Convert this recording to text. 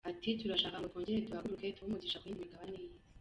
Ati “Turashaka ngo twongere duhaguruke, tube umugisha ku yindi migabane y’Isi.